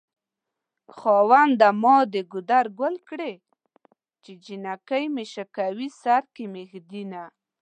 خاونده ما د ګودر ګل کړې چې جنکۍ مې شوکوي سر کې مې ږدينه